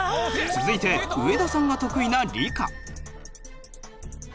続いて植田さんが得意な理科。